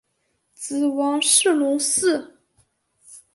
子王士隆嗣。